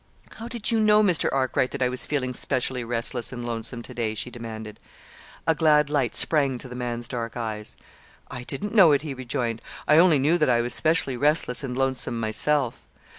"How did you know, Mr. Arkwright, that I was feeling specially restless and lonesome to day?" she demanded. A glad light sprang to the man's dark eyes. "I didn't know it," he rejoined. "I only knew that I was specially restless and lonesome myself."